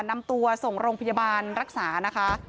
นำตัวส่งโรงพยาบาลรักษานะคะ